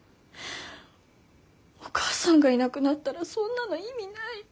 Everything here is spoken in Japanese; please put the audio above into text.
お母さんがいなくなったらそんなの意味ない。